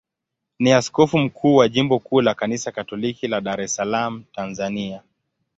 ni askofu mkuu wa jimbo kuu la Kanisa Katoliki la Dar es Salaam, Tanzania.